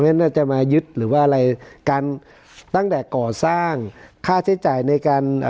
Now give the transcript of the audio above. น่าจะมายึดหรือว่าอะไรกันตั้งแต่ก่อสร้างค่าใช้จ่ายในการ